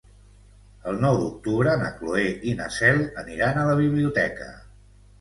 El nou d'octubre na Cloè i na Cel aniran a la biblioteca.